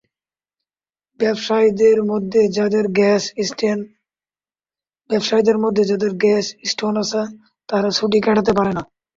ব্যবসায়ীদের মধ্যে যাদের গ্যাস স্টেশন আছে তারা ছুটি কাটাতে পারেন না।